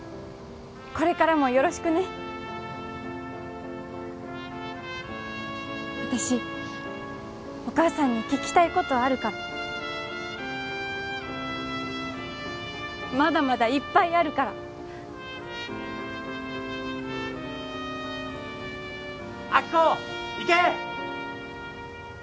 これからもよろしくね私お母さんに聞きたいことあるからまだまだいっぱいあるから・あきこ行け！